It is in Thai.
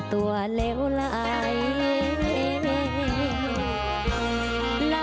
สวัสดีค่ะ